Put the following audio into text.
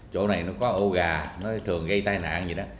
chỗ này có ô gà thường gây tai nạn